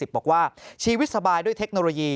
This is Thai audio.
บอกว่าชีวิตสบายด้วยเทคโนโลยี